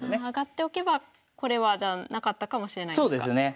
上がっておけばこれはじゃあなかったかもしれないんですか？